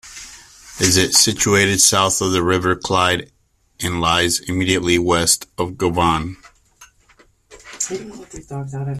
It is situated south of the River Clyde and lies immediately west of Govan.